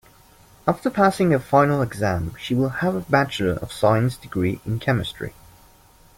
After passing her final exam she will have a bachelor of science degree in chemistry.